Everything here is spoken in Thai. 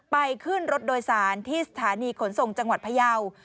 ไปขึ้นรถโดยสารที่สถานีขนส่งจังหวัดพยาว